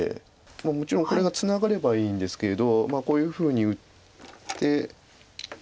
もちろんこれがツナがればいいんですけどこういうふうに打って。